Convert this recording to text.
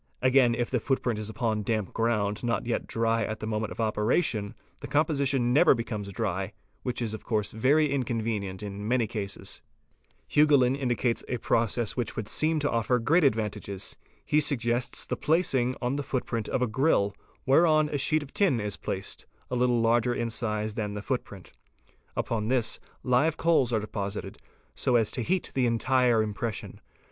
Again if the footprint is upon damp ground not yet dry at the moment of operation, the composition never becomes dry, which is of course very inconvenient in many cases. Hugoulin®™ indicates a process which would seem to offer great ad vantages. He suggests the placing on the footprint of a grill whereon a sheet of tin is placed, a little larger in size than the footprint. Upon this live coals are deposited so as to heat the entire impression.